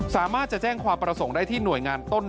สามารถจะแจ้งความประสงค์ได้ที่หน่วยงานต้น